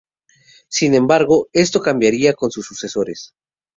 Sin embargo, esto cambiaría con sus sucesores.